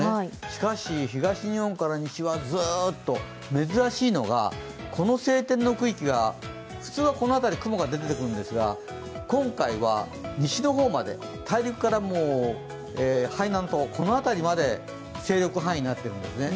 しかし、東日本から西はずっと珍しいのがこの晴天の区域が、普通はこの辺り雲が出てくるんですが、今回は西の方まで、大陸から海南島の辺りまで勢力範囲になってるんですね